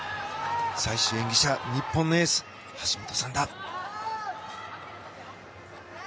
最終演技者は日本のエース、橋本さんだ。